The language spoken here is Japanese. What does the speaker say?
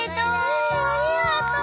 えありがとう！